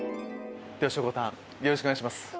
ではしょこたんよろしくお願いします。